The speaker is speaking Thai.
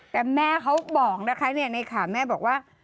แต่แม่เขาบอกนะคะในข่าวแม่บอกว่า